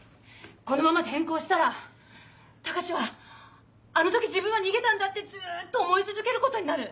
このまま転校したら高志はあの時自分は逃げたんだってずっと思い続けることになる。